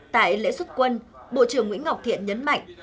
tại lễ xuất quân bộ trưởng nguyễn ngọc thiện nhấn mạnh